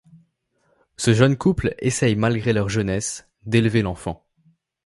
Ce jeune couple essaye malgré leur jeunesse d’élever l’enfant.